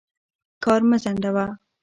کار مه ځنډوه.